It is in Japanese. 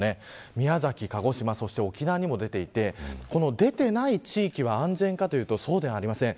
宮崎、鹿児島そして沖縄にも出ていて出ていない地域は安全かというとそうではありません。